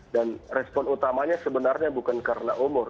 dan respon utamanya sebenarnya bukan karena umur